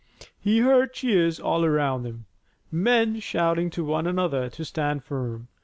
He heard cheers all around him, men shouting to one another to stand firm.